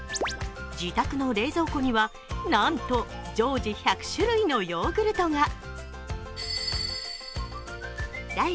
自宅の冷蔵庫には、なんと常時１００種類のヨーグルトが。